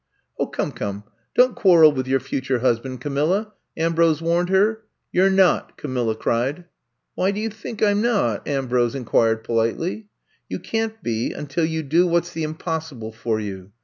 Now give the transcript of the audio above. I'VE COMB TO STAY 41 Come, come, don't quarrel with your future husband, Camilla," Ambrose warned her. You 're not," Camilla cried. Why do you think I 'm not ?'' Ambrose inquired politely. You can't be until you do what 's the impossible for you."